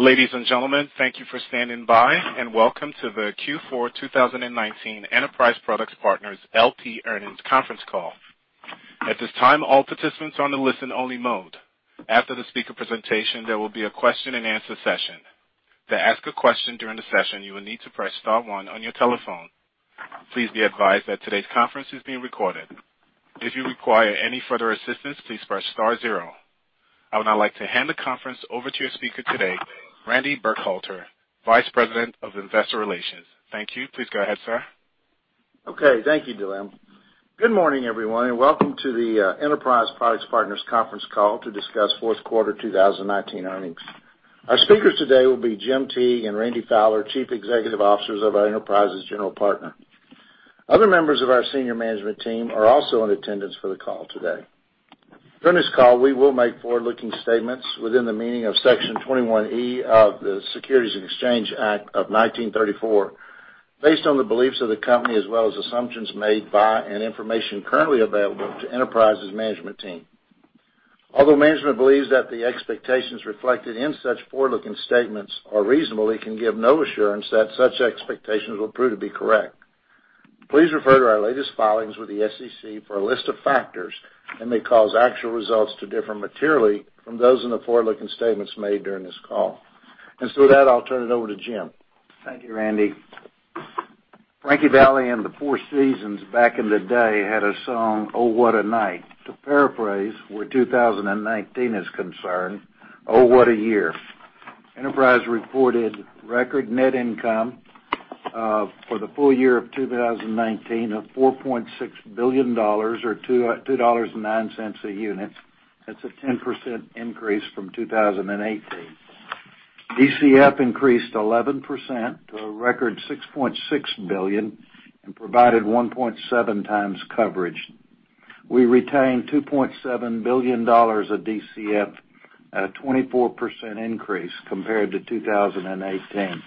Ladies and gentlemen, thank you for standing by, and welcome to the Q4 2019 Enterprise Products Partners L.P. earnings conference call. At this time, all participants are on a listen-only mode. After the speaker presentation, there will be a question and answer session. To ask a question during the session, you will need to press star one on your telephone. Please be advised that today's conference is being recorded. If you require any further assistance, please press star zero. I would now like to hand the conference over to your speaker today, Randy Burkhalter, Vice President, Investor Relations. Thank you. Please go ahead, si. Okay. Thank you, Dylan. Good morning, everyone, and welcome to the Enterprise Products Partners conference call to discuss fourth quarter 2019 earnings. Our speakers today will be Jim Teague and Randy Fowler, Chief Executive Officers of our Enterprise's general partner. Other members of our senior management team are also in attendance for the call today. During this call, we will make forward-looking statements within the meaning of Section 21E of the Securities Exchange Act of 1934, based on the beliefs of the company, as well as assumptions made by and information currently available to Enterprise's management team. Although management believes that the expectations reflected in such forward-looking statements are reasonable, it can give no assurance that such expectations will prove to be correct. Please refer to our latest filings with the SEC for a list of factors that may cause actual results to differ materially from those in the forward-looking statements made during this call. With that, I'll turn it over to Jim. Thank you, Randy. Frankie Valli and The Four Seasons back in the day had a song, "Oh, What a Night." To paraphrase, where 2019 is concerned, oh, what a year. Enterprise reported record net income for the full year of 2019 of $4.6 billion or $2.09 a unit. That's a 10% increase from 2018. DCF increased 11% to a record $6.6 billion and provided 1.7x coverage. We retained $2.7 billion of DCF at a 24% increase compared to 2018.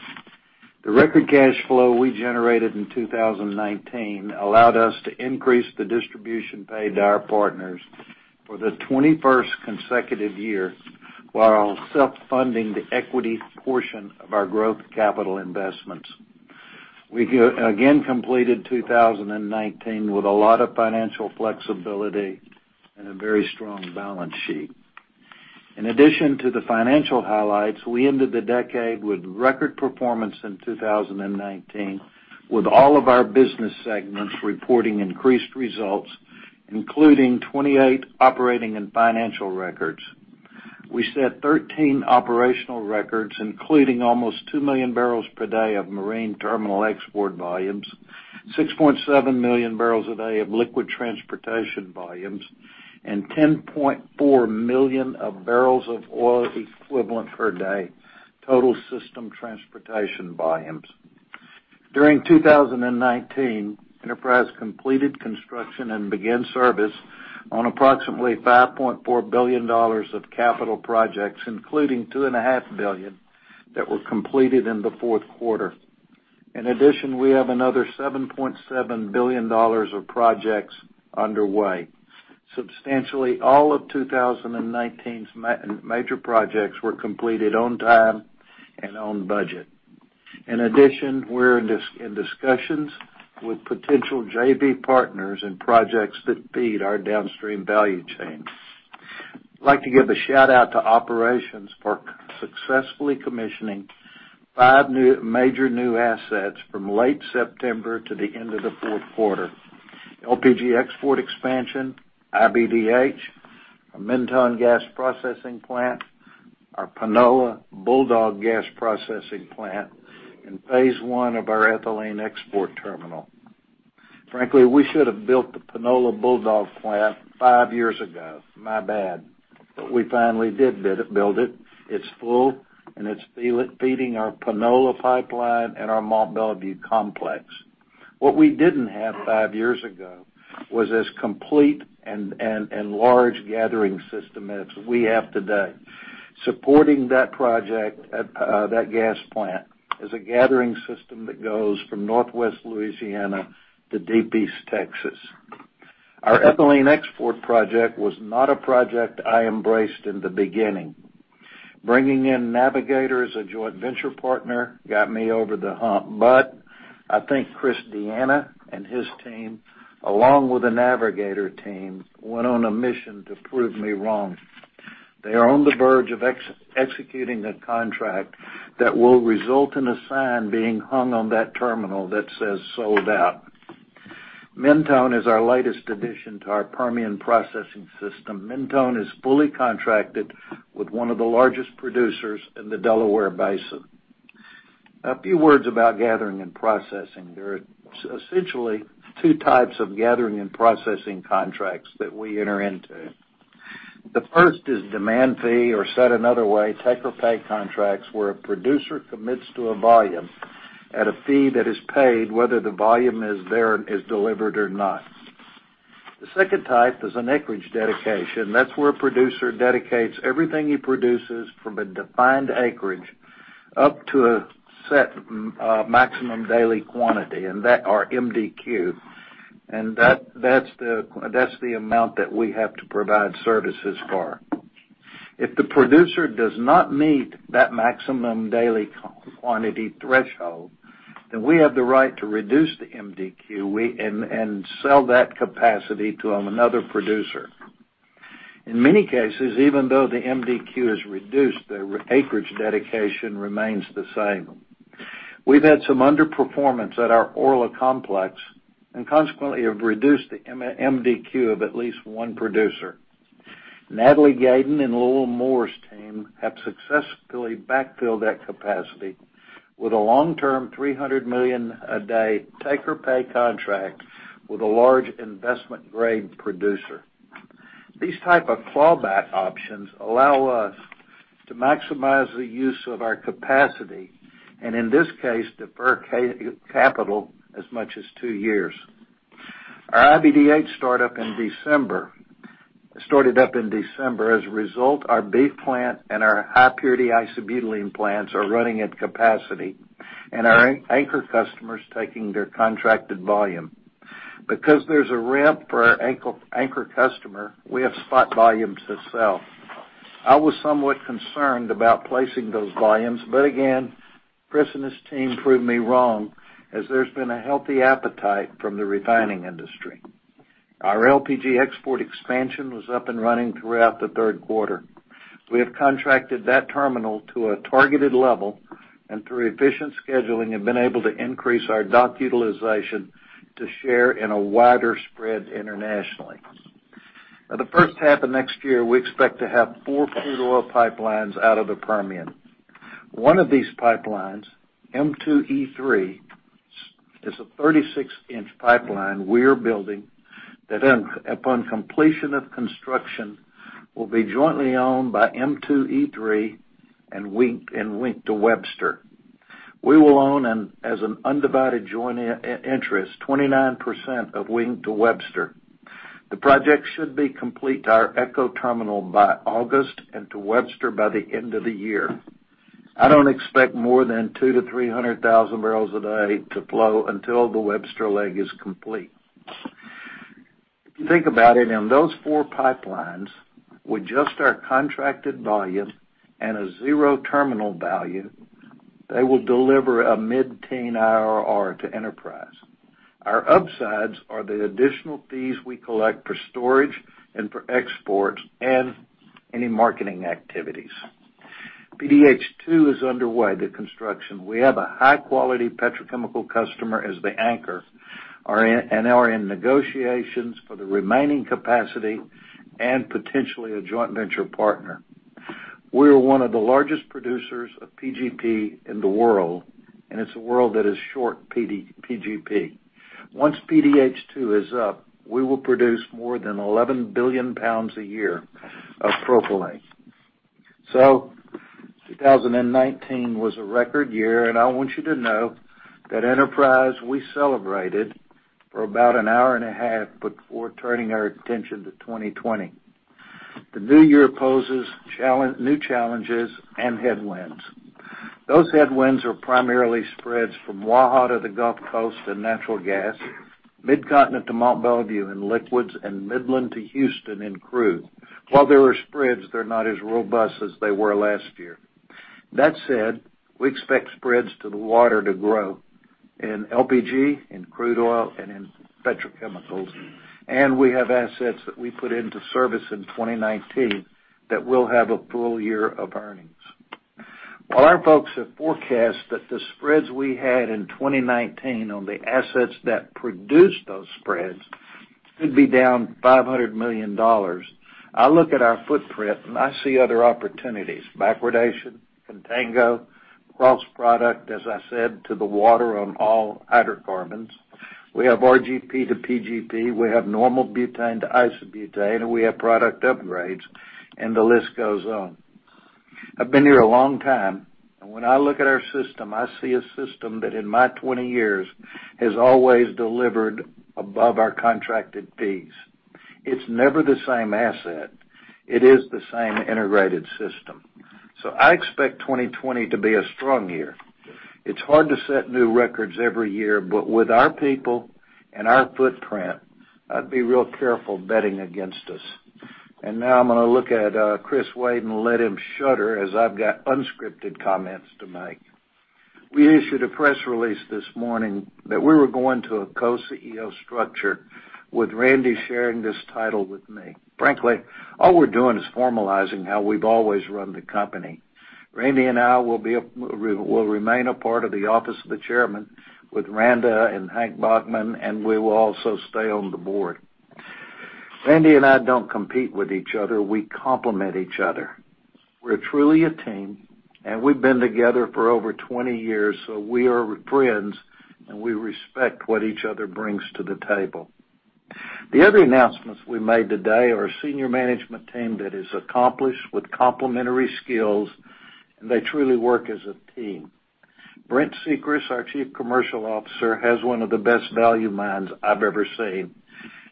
The record cash flow we generated in 2019 allowed us to increase the distribution paid to our partners for the 21st consecutive year while self-funding the equity portion of our growth capital investments. We again completed 2019 with a lot of financial flexibility and a very strong balance sheet. In addition to the financial highlights, we ended the decade with record performance in 2019, with all of our business segments reporting increased results, including 28 operating and financial records. We set 13 operational records, including almost 2 million barrels per day of marine terminal export volumes, 6.7 million barrels a day of liquid transportation volumes, and 10.4 million of barrels of oil equivalent per day total system transportation volumes. During 2019, Enterprise completed construction and began service on approximately $5.4 billion of capital projects, including 2.5 billion that were completed in the fourth quarter. We have another $7.7 billion of projects underway. Substantially all of 2019's major projects were completed on time and on budget. We're in discussions with potential JV partners in projects that feed our downstream value chains. I'd like to give a shout-out to operations for successfully commissioning five major new assets from late September to the end of the fourth quarter. LPG export expansion, IBDH, our Mentone gas processing plant, our Panola Bulldog gas processing plant, and phase I of our ethylene export terminal. Frankly, we should have built the Panola Bulldog plant five years ago. My bad. We finally did build it. It's full, and it's feeding our Panola pipeline and our Mont Belvieu complex. What we didn't have five years ago was this complete and large gathering system as we have today. Supporting that project, that gas plant, is a gathering system that goes from Northwest Louisiana to Deep East Texas. Our ethylene export project was not a project I embraced in the beginning. Bringing in Navigator as a joint venture partner got me over the hump, but I think Chris D'Anna and his team, along with the Navigator team, went on a mission to prove me wrong. They are on the verge of executing a contract that will result in a sign being hung on that terminal that says, "Sold out." Mentone is our latest addition to our Permian processing system. Mentone is fully contracted with one of the largest producers in the Delaware Basin. A few words about gathering and processing. There are essentially two types of gathering and processing contracts that we enter into. The first is demand fee, or said another way, take-or-pay contracts where a producer commits to a volume at a fee that is paid whether the volume is delivered or not. The second type is an acreage dedication. That's where a producer dedicates everything he produces from a defined acreage up to a set maximum daily quantity, and that are MDQ. That's the amount that we have to provide services for. If the producer does not meet that maximum daily quantity threshold, then we have the right to reduce the MDQ and sell that capacity to another producer. In many cases, even though the MDQ is reduced, their acreage dedication remains the same. We've had some underperformance at our Orla complex, and consequently have reduced the MDQ of at least one producer. Natalie Gayden and Lowell Moore's team have successfully back-filled that capacity with a long-term $300 million a day take-or-pay contract with a large investment-grade producer. These type of clawback options allow us to maximize the use of our capacity, and in this case, defer capital as much as two years. Our IBDH started up in December. As a result, our butyl plant and our high-purity isobutylene plants are running at capacity, and our anchor customer's taking their contracted volume. There's a ramp for our anchor customer, we have spot volumes to sell. I was somewhat concerned about placing those volumes, again, Chris and his team proved me wrong, as there's been a healthy appetite from the refining industry. Our LPG export expansion was up and running throughout the third quarter. We have contracted that terminal to a targeted level, through efficient scheduling, have been able to increase our dock utilization to share in a wider spread internationally. The first half of next year, we expect to have four crude oil pipelines out of the Permian. One of these pipelines, M2E3, is a 36-in pipeline we are building, that upon completion of construction, will be jointly owned by M2E3 and Wink to Webster. We will own as an undivided joint interest, 29% of Wink to Webster. The project should be complete to our ECHO terminal by August, and to Webster by the end of the year. I don't expect more than 200,000 bbl-300,000 bbl a day to flow until the Webster leg is complete. If you think about it, in those four pipelines, with just our contracted volume and a zero terminal value, they will deliver a mid-teen IRR to Enterprise. Our upsides are the additional fees we collect for storage and for exports and any marketing activities. PDH2 is underway, the construction. We have a high-quality Petrochemical customer as the anchor, and are in negotiations for the remaining capacity and potentially a joint venture partner. We are one of the largest producers of PGP in the world, and it's a world that is short PGP. Once PDH2 is up, we will produce more than 11 billion pounds a year of propylene. 2019 was a record year, and I want you to know that Enterprise, we celebrated for about an hour and a half before turning our attention to 2020. The new year poses new challenges and headwinds. Those headwinds are primarily spreads from Waha to the Gulf Coast in Natural Gas, Midcontinent to Mont Belvieu in liquids, and Midland to Houston in crude. While there are spreads, they're not as robust as they were last year. That said, we expect spreads to the water to grow in LPG, in Crude Oil, and in Petrochemicals. We have assets that we put into service in 2019 that will have a full year of earnings. While our folks have forecast that the spreads we had in 2019 on the assets that produced those spreads could be down $500 million, I look at our footprint and I see other opportunities. Backwardation, contango, cross product, as I said, to the water on all hydrocarbons. We have RGP to PGP, we have normal butane to isobutane, we have product upgrades, the list goes on. I've been here a long time, when I look at our system, I see a system that in my 20 years has always delivered above our contracted fees. It's never the same asset. It is the same integrated system. I expect 2020 to be a strong year. It's hard to set new records every year, but with our people and our footprint, I'd be real careful betting against us. Now I'm going to look at Chris Wade and let him shudder as I've got unscripted comments to make. We issued a press release this morning that we were going to a Co-CEO structure with Randy sharing this title with me. Frankly, all we're doing is formalizing how we've always run the company. Randy and I will remain a part of the Office of the Chairman with Randa and Hank Bachmann, and we will also stay on the Board. Randy and I don't compete with each other. We complement each other. We're truly a team, and we've been together for over 20 years, so we are friends, and we respect what each other brings to the table. The other announcements we made today are a senior management team that is accomplished with complementary skills, and they truly work as a team. Brent Secrest, our Chief Commercial Officer, has one of the best value minds I've ever seen,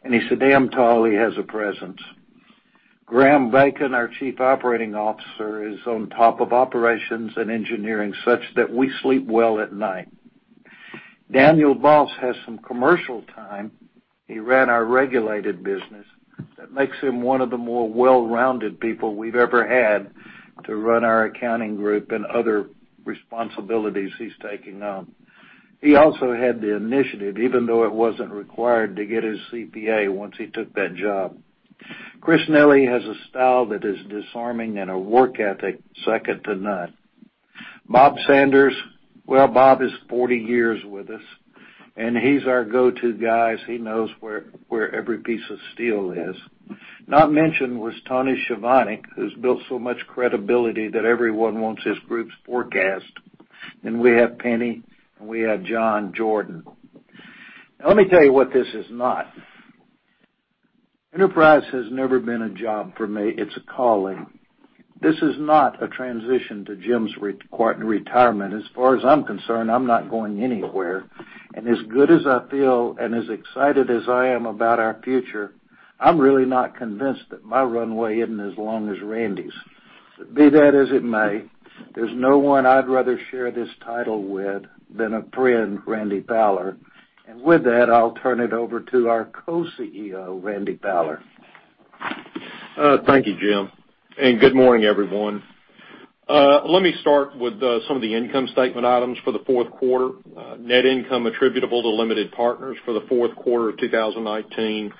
and he's damn tall. He has a presence. Graham Bacon, our Chief Operating Officer, is on top of operations and engineering such that we sleep well at night. Daniel Boss has some commercial time. He ran our Regulated business. That makes him one of the more well-rounded people we've ever had to run our accounting group and other responsibilities he's taking on. He also had the initiative, even though it wasn't required, to get his CPA once he took that job. Chris Nelly has a style that is disarming and a work ethic second to none. Bob Sanders, well, Bob is 40 years with us, and he's our go-to guy. He knows where every piece of steel is. Not mentioned was Tony Chovanec, who's built so much credibility that everyone wants his group's forecast. We have Penny, and we have John Jordan. Let me tell you what this is not. Enterprise has never been a job for me. It's a calling. This is not a transition to Jim's retirement. As far as I'm concerned, I'm not going anywhere, and as good as I feel and as excited as I am about our future, I'm really not convinced that my runway isn't as long as Randy's. Be that as it may, there's no one I'd rather share this title with than a friend, Randy Fowler. With that, I'll turn it over to our Co-CEO, Randy Fowler. Thank you, Jim, and good morning, everyone. Let me start with some of the income statement items for the fourth quarter. Net income attributable to limited partners for the fourth quarter of 2019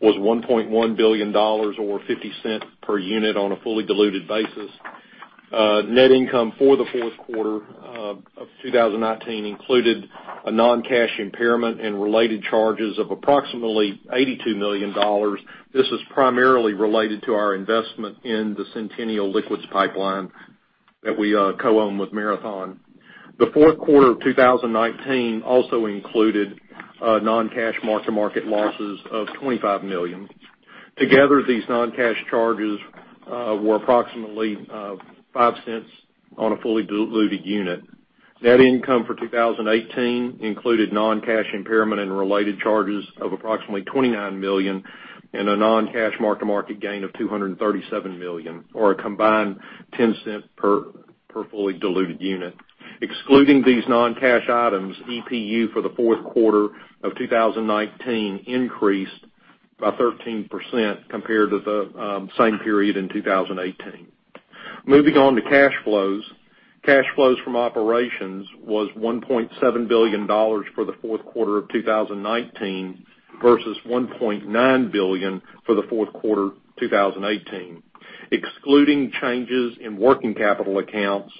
was $1.1 billion, or $0.50 per unit on a fully diluted basis. Net income for the fourth quarter of 2019 included a non-cash impairment and related charges of approximately $82 million. This is primarily related to our investment in the Centennial Liquids Pipeline that we co-own with Marathon. The fourth quarter of 2019 also included non-cash mark-to-market losses of $25 million. Together, these non-cash charges were approximately $0.05 on a fully diluted unit. Net income for 2018 included non-cash impairment and related charges of approximately $29 million and a non-cash mark-to-market gain of $237 million, or a combined $0.10 per fully diluted unit. Excluding these non-cash items, EPU for the fourth quarter of 2019 increased by 13% compared to the same period in 2018. Moving on to cash flows. Cash flows from operations was $1.7 billion for the fourth quarter of 2019 versus $1.9 billion for the fourth quarter 2018. Excluding changes in working capital accounts,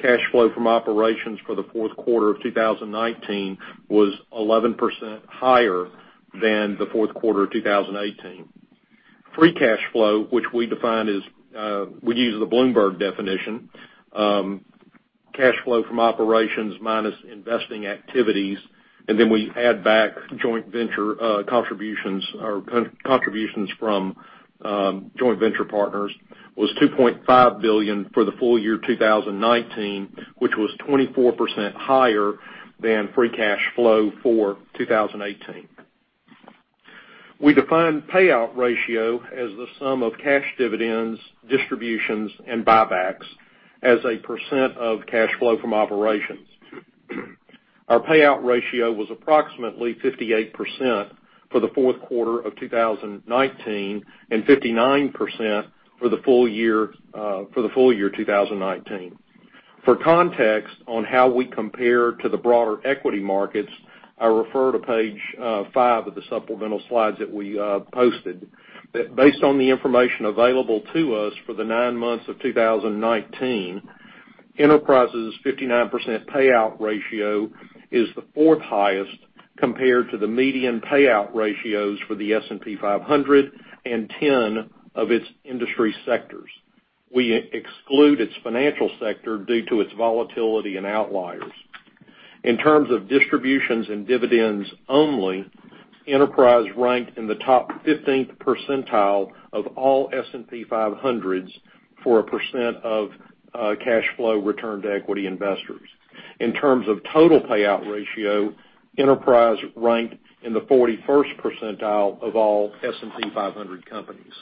cash flow from operations for the fourth quarter of 2019 was 11% higher than the fourth quarter of 2018. Free cash flow, which we use the Bloomberg definition. Cash flow from operations minus investing activities, and then we add back joint venture contributions or contributions from joint venture partners, was $2.5 billion for the full year 2019, which was 24% higher than free cash flow for 2018. We define payout ratio as the sum of cash dividends, distributions, and buybacks as a percent of cash flow from operations. Our payout ratio was approximately 58% for the fourth quarter of 2019 and 59% for the full year 2019. For context on how we compare to the broader equity markets, I refer to page five of the supplemental slides that we posted. That based on the information available to us for the nine months of 2019, Enterprise's 59% payout ratio is the fourth highest compared to the median payout ratios for the S&P 500 and 10 of its industry sectors. We exclude its financial sector due to its volatility and outliers. In terms of distributions and dividends only, Enterprise ranked in the top 15th percentile of all S&P 500s for a percent of cash flow returned to equity investors. In terms of total payout ratio, Enterprise ranked in the 41st percentile of all S&P 500 companies.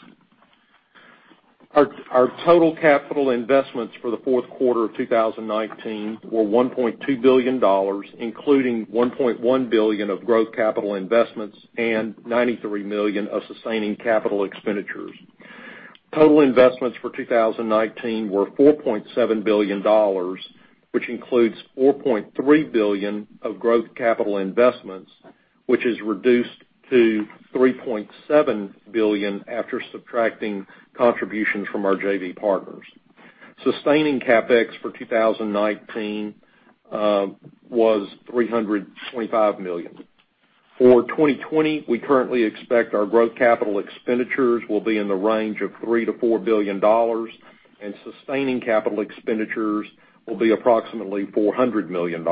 Our total capital investments for the fourth quarter of 2019 were $1.2 billion, including $1.1 billion of growth capital investments and $93 million of sustaining capital expenditures. Total investments for 2019 were $4.7 billion, which includes $4.3 billion of growth capital investments, which is reduced to $3.7 billion after subtracting contributions from our JV partners. Sustaining CapEx for 2019 was $325 million. For 2020, we currently expect our growth capital expenditures will be in the range of $3 billion-$4 billion, and sustaining capital expenditures will be approximately $400 million.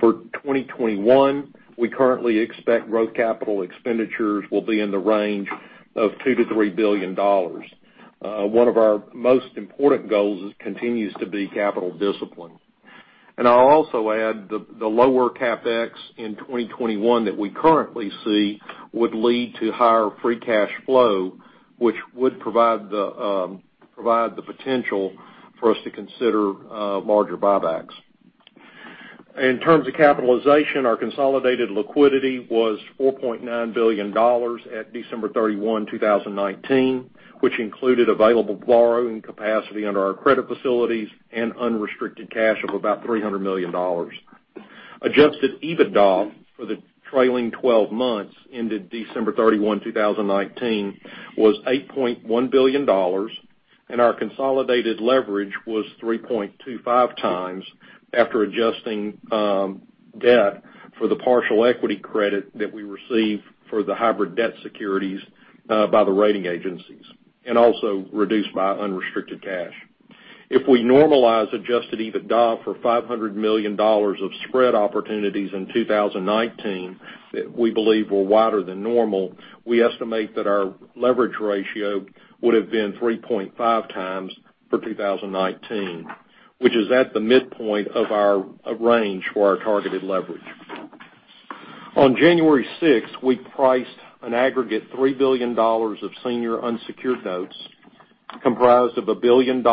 For 2021, we currently expect growth capital expenditures will be in the range of $2 billion-$3 billion. One of our most important goals continues to be capital discipline. I'll also add the lower CapEx in 2021 that we currently see would lead to higher free cash flow, which would provide the potential for us to consider larger buybacks. In terms of capitalization, our consolidated liquidity was $4.9 billion at December 31, 2019, which included available borrowing capacity under our credit facilities and unrestricted cash of about $300 million. Adjusted EBITDA for the trailing 12 months ended December 31, 2019, was $8.1 billion, and our consolidated leverage was 3.25x after adjusting debt for the partial equity credit that we received for the hybrid debt securities by the rating agencies, and also reduced by unrestricted cash. If we normalize Adjusted EBITDA for $500 million of spread opportunities in 2019 that we believe were wider than normal, we estimate that our leverage ratio would've been 3.5x for 2019, which is at the midpoint of our range for our targeted leverage. On January 6th, we priced an aggregate $3 billion of senior unsecured notes, comprised of $1 billion of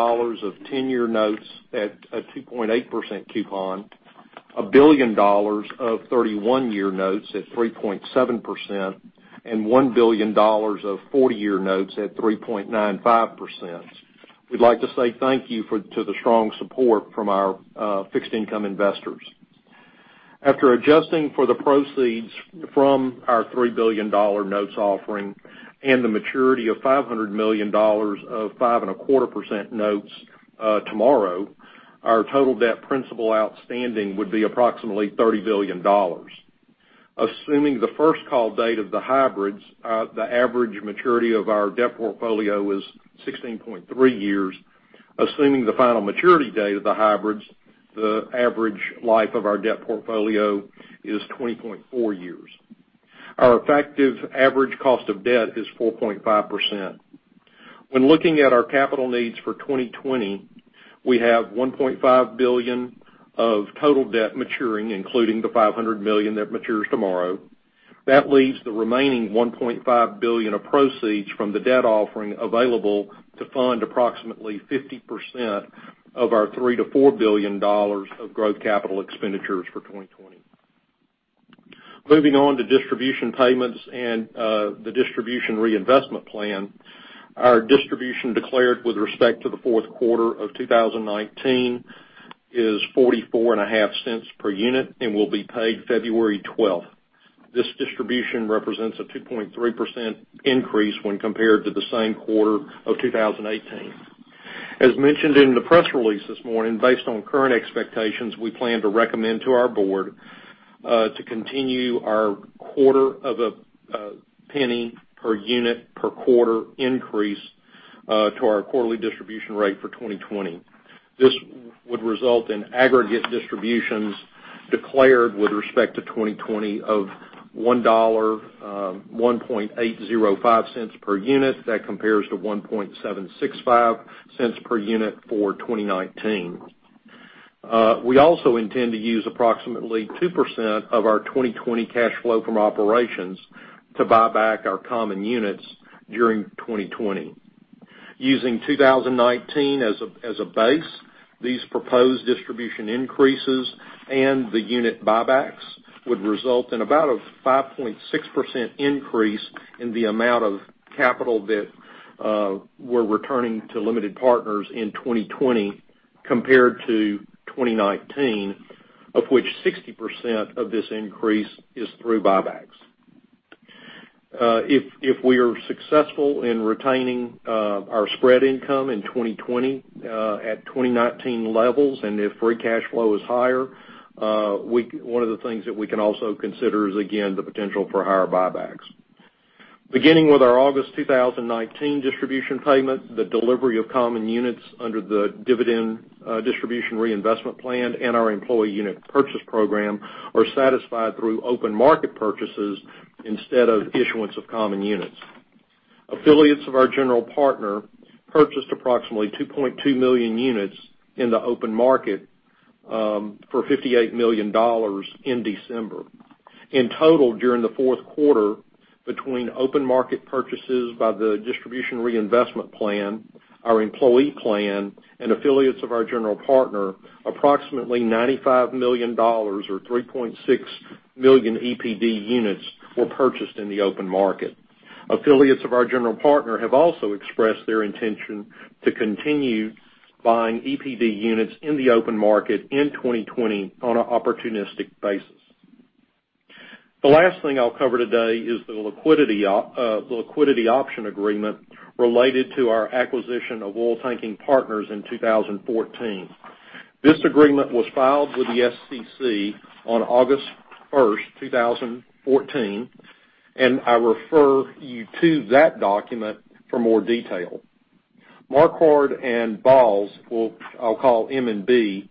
10-year notes at a 2.8% coupon, $1 billion of 31-year notes at 3.7%, and $1 billion of 40-year notes at 3.95%. We'd like to say thank you to the strong support from our fixed income investors. After adjusting for the proceeds from our $3 billion notes offering and the maturity of $500 million of 5.25% notes tomorrow, our total debt principal outstanding would be approximately $30 billion. Assuming the first call date of the hybrids, the average maturity of our debt portfolio is 16.3 years. Assuming the final maturity date of the hybrids, the average life of our debt portfolio is 20.4 years. Our effective average cost of debt is 4.5%. When looking at our capital needs for 2020, we have $1.5 billion of total debt maturing, including the $500 million that matures tomorrow. That leaves the remaining $1.5 billion of proceeds from the debt offering available to fund approximately 50% of our $3 billion-$4 billion of growth capital expenditures for 2020. Moving on to Distribution Payments and the Distribution Reinvestment Plan. Our distribution declared with respect to the fourth quarter of 2019 is $0.445 per unit and will be paid February 12th. This distribution represents a 2.3% increase when compared to the same quarter of 2018. As mentioned in the press release this morning, based on current expectations, we plan to recommend to our Board to continue our quarter of a penny per unit per quarter increase to our quarterly distribution rate for 2020. This would result in aggregate distributions declared with respect to 2020 of $1.805 per unit. That compares to $1.765 per unit for 2019. We also intend to use approximately 2% of our 2020 cash flow from operations to buy back our common units during 2020. Using 2019 as a base, these proposed distribution increases and the unit buybacks would result in about a 5.6% increase in the amount of capital that we're returning to limited partners in 2020 compared to 2019, of which 60% of this increase is through buybacks. If we are successful in retaining our spread income in 2020 at 2019 levels, and if free cash flow is higher, one of the things that we can also consider is, again, the potential for higher buybacks. Beginning with our August 2019 distribution payment, the delivery of common units under the dividend Distribution Reinvestment Plan and our Employee Unit Purchase Program are satisfied through open market purchases instead of issuance of common units. Affiliates of our general partner purchased approximately 2.2 million units in the open market for $58 million in December. In total, during the fourth quarter, between open market purchases by the Distribution Reinvestment Plan, our Employee Plan, and affiliates of our general partner, approximately $95 million or 3.6 million EPD units were purchased in the open market. Affiliates of our general partner have also expressed their intention to continue buying EPD units in the open market in 2020 on an opportunistic basis. The last thing I'll cover today is the liquidity option agreement related to our acquisition of Oiltanking Partners in 2014. This agreement was filed with the SEC on August 1st, 2014, and I refer you to that document for more detail. Marquard & Bahls, or I'll call M&B,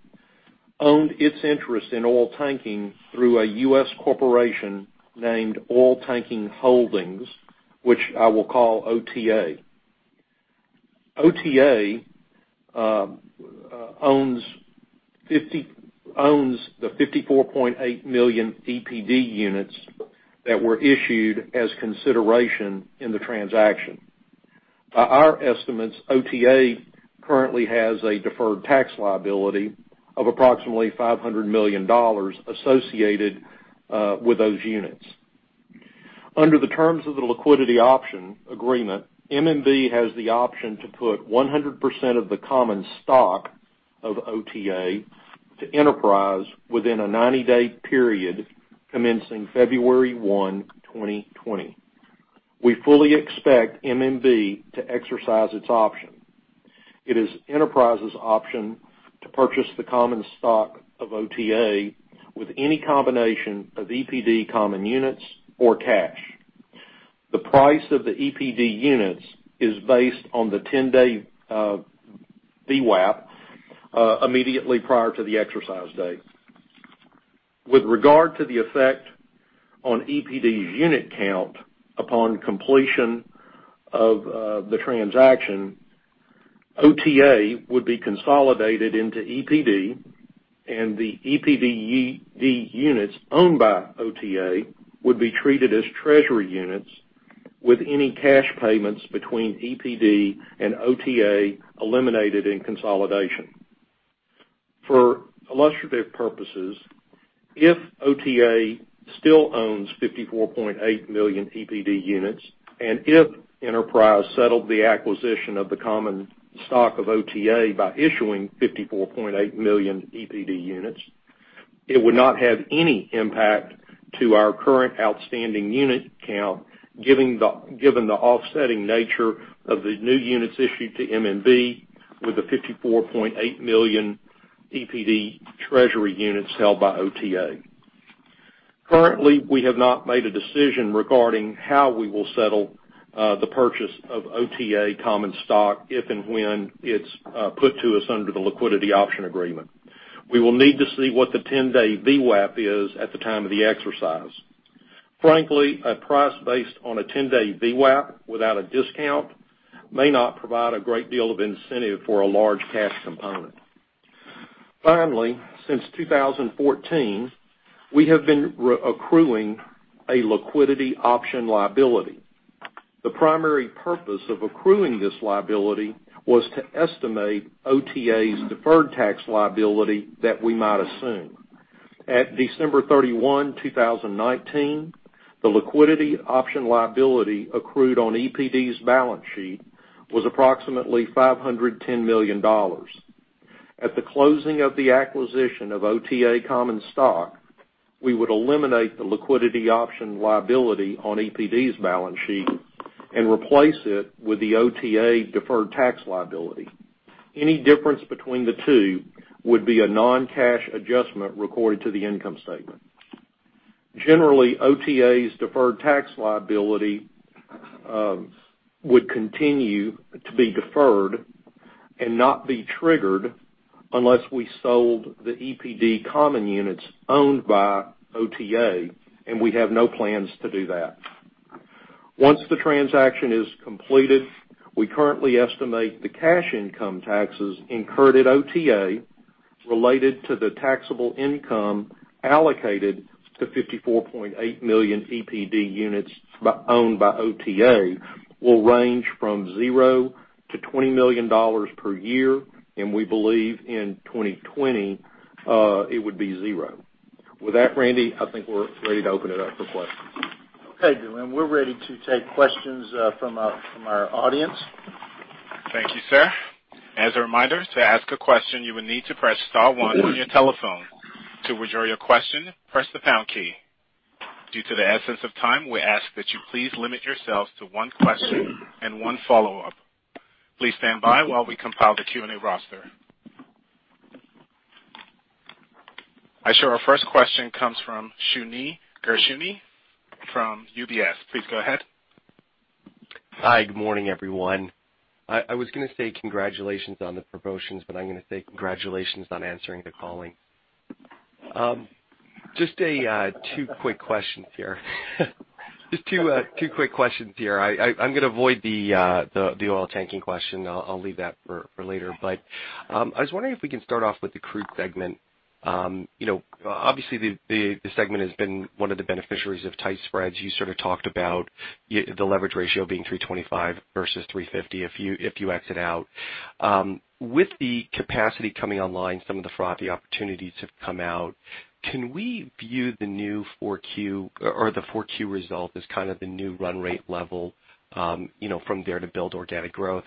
owned its interest in Oiltanking through a U.S. corporation named Oiltanking Holdings, which I will call OTA. OTA owns the 54.8 million EPD units that were issued as consideration in the transaction. By our estimates, OTA currently has a deferred tax liability of approximately $500 million associated with those units. Under the terms of the liquidity option agreement, M&B has the option to put 100% of the common stock of OTA to Enterprise within a 90-day period commencing February 1, 2020. We fully expect M&B to exercise its option. It is Enterprise's option to purchase the common stock of OTA with any combination of EPD common units or cash. The price of the EPD units is based on the 10-day VWAP immediately prior to the exercise date. With regard to the effect on EPD's unit count upon completion of the transaction, OTA would be consolidated into EPD, and the EPD units owned by OTA would be treated as treasury units with any cash payments between EPD and OTA eliminated in consolidation. For illustrative purposes, if OTA still owns 54.8 million EPD units, and if Enterprise settled the acquisition of the common stock of OTA by issuing 54.8 million EPD units, it would not have any impact to our current outstanding unit count given the offsetting nature of the new units issued to M&B with the 54.8 million EPD treasury units held by OTA. Currently, we have not made a decision regarding how we will settle the purchase of OTA common stock if and when it's put to us under the liquidity option agreement. We will need to see what the 10-day VWAP is at the time of the exercise. Frankly, a price based on a 10-day VWAP without a discount may not provide a great deal of incentive for a large cash component. Finally, since 2014, we have been accruing a liquidity option liability. The primary purpose of accruing this liability was to estimate OTA's deferred tax liability that we might assume. At December 31, 2019, the liquidity option liability accrued on EPD's balance sheet was approximately $510 million. At the closing of the acquisition of OTA common stock, we would eliminate the liquidity option liability on EPD's balance sheet and replace it with the OTA deferred tax liability. Any difference between the two would be a non-cash adjustment recorded to the income statement. Generally, Oiltanking's deferred tax liability would continue to be deferred and not be triggered unless we sold the EPD common units owned by Oiltanking, and we have no plans to do that. Once the transaction is completed, we currently estimate the cash income taxes incurred at Oiltanking related to the taxable income allocated to 54.8 million EPD units owned by Oiltanking will range from 0-$20 million per year, and we believe in 2020, it would be zero. With that, Randy, I think we're ready to open it up for questions. Okay, Dylan. We're ready to take questions from our audience. Thank you, sir. As a reminder, to ask a question, you will need to press star one on your telephone. To withdraw your question, press the pound key. Due to the essence of time, we ask that you please limit yourselves to one question and one follow-up. Please stand by while we compile the Q&A roster. I show our first question comes from Shneur Gershuni from UBS. Please go ahead. Hi. Good morning, everyone. I was going to say congratulations on the promotions, but I'm going to say congratulations on answering the calling. Just two quick questions here. I'm going to avoid the Oiltanking question. I'll leave that for later. I was wondering if we can start off with the Crude segment. Obviously, the segment has been one of the beneficiaries of tight spreads. You sort of talked about the leverage ratio being 3.25 versus 3.50 if you exit out. With the capacity coming online, some of the frothy opportunities have come out. Can we view the new 4Q or the 4Q result as kind of the new run rate level from there to build organic growth?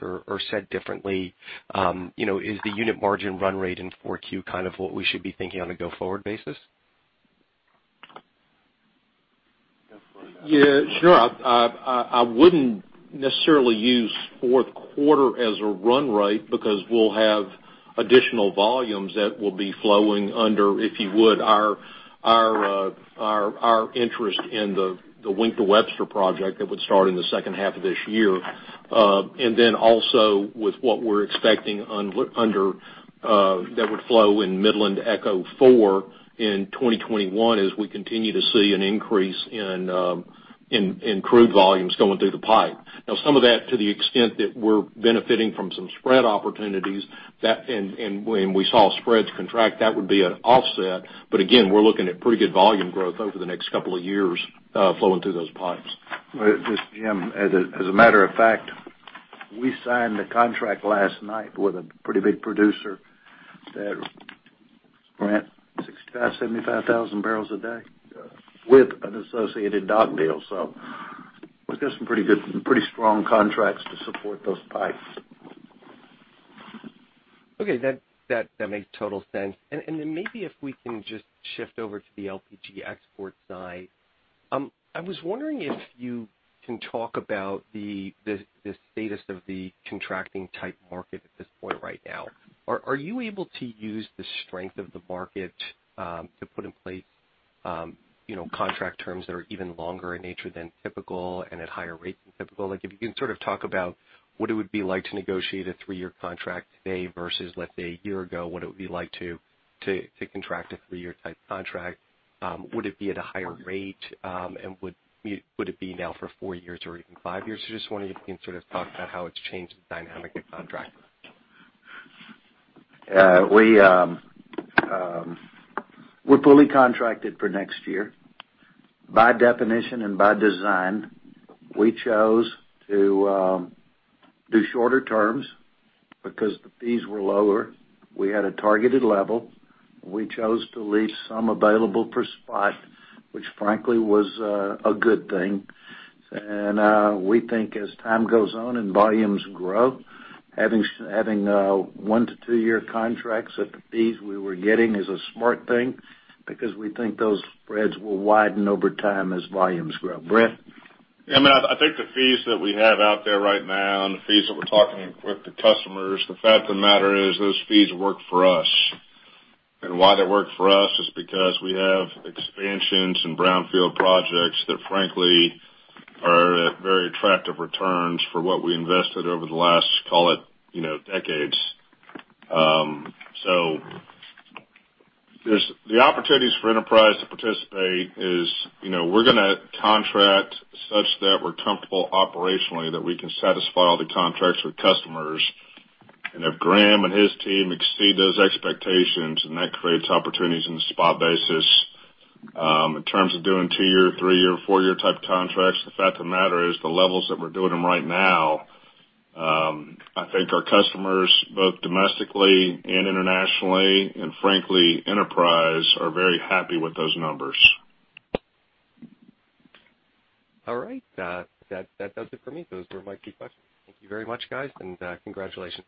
Said differently, is the unit margin run rate in 4Q kind of what we should be thinking on a go-forward basis? Yeah, sure. I wouldn't necessarily use fourth quarter as a run rate because we'll have additional volumes that will be flowing under, if you would, our interest in the Wink to Webster project that would start in the second half of this year. Also with what we're expecting that would flow in Midland-to-ECHO 4 in 2021, as we continue to see an increase in crude volumes going through the pipe. Some of that to the extent that we're benefiting from some spread opportunities, and when we saw spreads contract, that would be an offset. Again, we're looking at pretty good volume growth over the next couple of years flowing through those pipes. This is Jim. As a matter of fact, we signed a contract last night with a pretty big producer that-- Brent, 65,000 bbl, 75,000 bbl a day? Yeah. With an associated dock deal. We've got some pretty good, pretty strong contracts to support those pipes. Okay. That makes total sense. Maybe if we can just shift over to the LPG export side. I was wondering if you can talk about the status of the contracting-type market at this point right now. Are you able to use the strength of the market, to put in place contract terms that are even longer in nature than typical and at higher rates than typical? If you can sort of talk about what it would be like to negotiate a three-year contract today versus, let's say, a year ago, what it would be like to contract a three-year type contract. Would it be at a higher rate? Would it be now for four years or even five years? Just wondering if you can sort of talk about how it's changed the dynamic of contracting. We're fully contracted for next year. By definition and by design, we chose to do shorter-terms because the fees were lower. We had a targeted level. We chose to leave some available for spot, which frankly, was a good thing. We think as time goes on and volumes grow, having one to two-year contracts at the fees we were getting is a smart thing because we think those spreads will widen over time as volumes grow. Brent? Yeah. I think the fees that we have out there right now and the fees that we're talking with the customers, the fact of the matter is those fees work for us. Why they work for us is because we have expansions and brownfield projects that frankly are at very attractive returns for what we invested over the last, call it, decades. The opportunities for Enterprise to participate is we're going to contract such that we're comfortable operationally that we can satisfy all the contracts with customers. If Graham and his team exceed those expectations, then that creates opportunities on a spot basis. In terms of doing two-year, three-year, four-year type contracts, the fact of the matter is the levels that we're doing them right now, I think our customers, both domestically and internationally, and frankly, Enterprise, are very happy with those numbers. All right. That does it for me. Those were my key questions. Thank you very much, guys, and congratulations.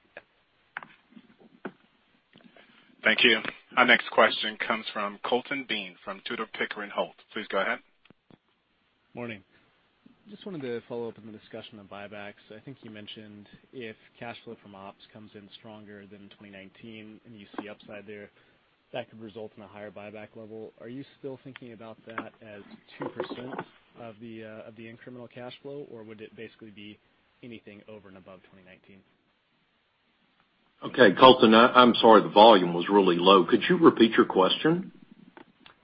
Thank you. Our next question comes from Colton Bean from Tudor, Pickering Holt. Please go ahead. Morning. Just wanted to follow up on the discussion on buybacks. I think you mentioned if cash flow from ops comes in stronger than 2019 and you see upside there, that could result in a higher buyback level. Are you still thinking about that as 2% of the incremental cash flow, or would it basically be anything over and above 2019? Okay, Colton, I'm sorry, the volume was really low. Could you repeat your question?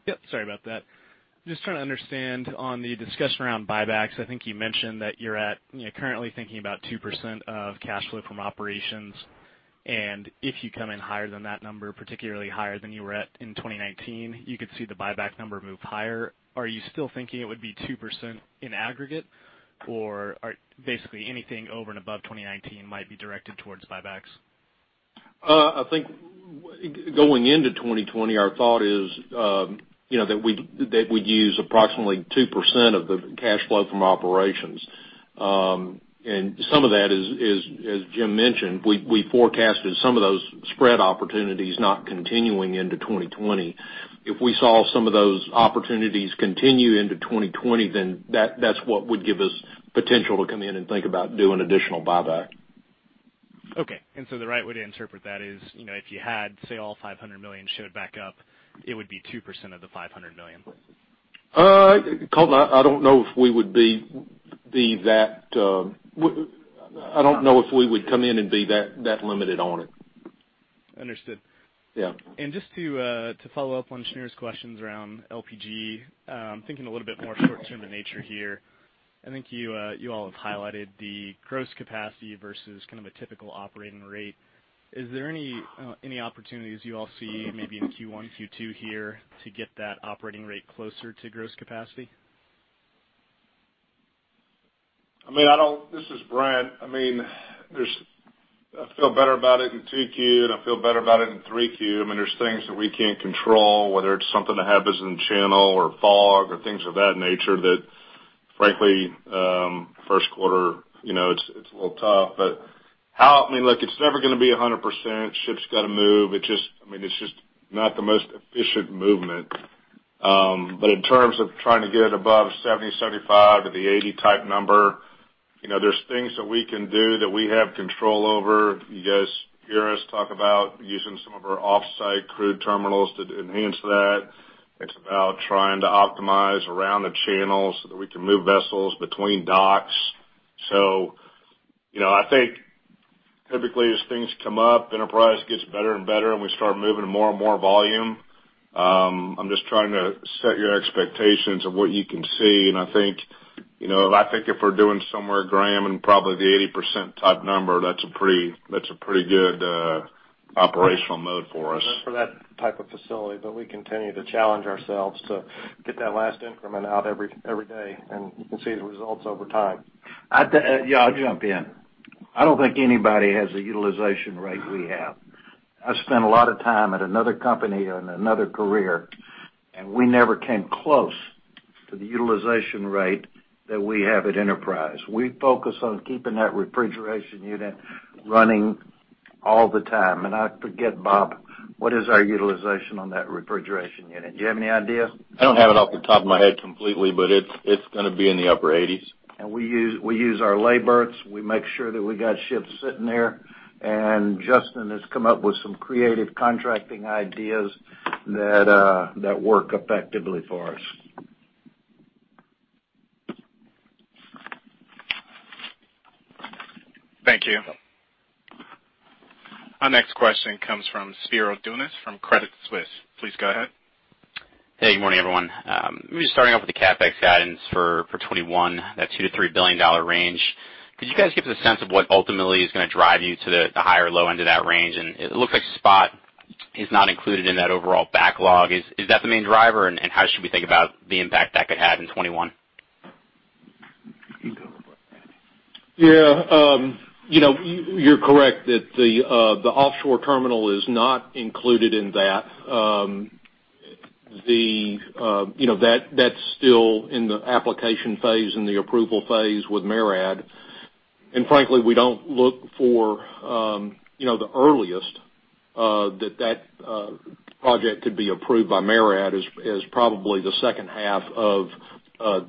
Yep, sorry about that. Just trying to understand on the discussion around buybacks, I think you mentioned that you're currently thinking about 2% of cash flow from operations, and if you come in higher than that number, particularly higher than you were at in 2019, you could see the buyback number move higher. Are you still thinking it would be 2% in aggregate, or basically anything over and above 2019 might be directed towards buybacks? I think going into 2020, our thought is that we'd use approximately 2% of the cash flow from operations. Some of that is, as Jim mentioned, we forecasted some of those spread opportunities not continuing into 2020. If we saw some of those opportunities continue into 2020, then that's what would give us potential to come in and think about doing additional buyback. Okay. The right way to interpret that is, if you had, say, all $500 million showed back up, it would be 2% of the $500 million. Colton, I don't know if we would come in and be that limited on it. Understood. Just to follow up on Shneur's questions around LPG, thinking a little bit more short-term in nature here. I think you all have highlighted the gross capacity versus kind of a typical operating rate. Is there any opportunities you all see maybe in Q1, Q2 here to get that operating rate closer to gross capacity? This is Brent. I feel better about it in 2Q. I feel better about it in 3Q. There's things that we can't control, whether it's something that happens in channel or fog or things of that nature that frankly, first quarter, it's a little tough. Look, it's never going to be 100%. Ships got to move. It's just not the most efficient movement. In terms of trying to get it above 70%, 75% to the 80% type number, there's things that we can do that we have control over. You guys hear us talk about using some of our off-site crude terminals to enhance that. It's about trying to optimize around the channels so that we can move vessels between docks. I think typically, as things come up, Enterprise gets better and better, and we start moving more and more volume. I'm just trying to set your expectations of what you can see, and I think if we're doing somewhere Graham, and probably the 80% type number, that's a pretty good operational mode for us. For that type of facility. We continue to challenge ourselves to get that last increment out every day, and you can see the results over time. Yeah, I'll jump in. I don't think anybody has a utilization rate we have. I spent a lot of time at another company on another career, and we never came close to the utilization rate that we have at Enterprise. We focus on keeping that refrigeration unit running all the time. I forget, Bob, what is our utilization on that refrigeration unit? Do you have any idea? I don't have it off the top of my head completely, but it's going to be in the upper 80s. We use our lay berths. We make sure that we got ships sitting there. Justin has come up with some creative contracting ideas that work effectively for us. Thank you. Our next question comes from Spiro Dounis from Credit Suisse. Please go ahead. Hey, good morning, everyone. Maybe starting off with the CapEx guidance for 2021, that $2 billion-$3 billion range. Could you guys give us a sense of what ultimately is going to drive you to the higher or low end of that range? It looks like SPOT is not included in that overall backlog. Is that the main driver? How should we think about the impact that could have in 2021? You go for it, Randy. Yeah. You're correct that the offshore terminal is not included in that. That's still in the application phase and the approval phase with MARAD. Frankly, we don't look for the earliest that project could be approved by MARAD is probably the second half of